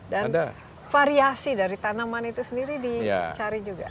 dan variasi dari tanaman itu sendiri dicari juga